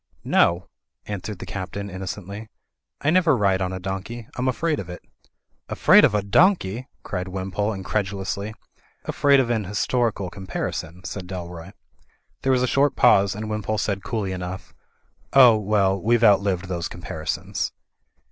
"No," answered the Captain, innocently, "I never ride on a donkey. Fm afraid of it." "Afraid of a donkey!" cried Wimpole, incredu lously. "Afraid of an historical comparison," said Dalroy. There was a short pause, and Wimpole said coolly enough, "Oh, well, weVe outlived those comparisons."